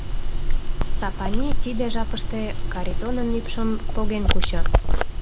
Сапани тиде жапыште Каритонын ӱпшым поген куча.